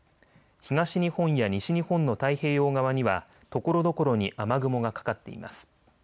東日本や西日本の太平洋側にはところどころに雨雲がかかっています。